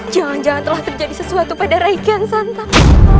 jangan jangan telah terjadi sesuatu pada rai kian santang